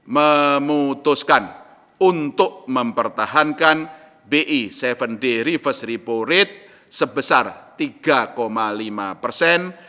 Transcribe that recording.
memutuskan untuk mempertahankan bi tujuh day reverse repo rate sebesar tiga lima persen